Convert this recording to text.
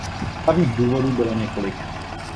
Hlavních důvodů bylo několik.